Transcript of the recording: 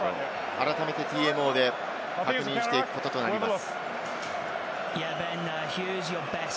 改めてＴＭＯで確認していくこととなります。